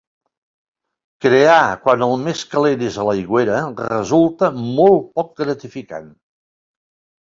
Crear quan el més calent és a l'aigüera resulta molt poc gratificant.